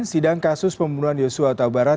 sidang kasus pembunuhan yosua tau barat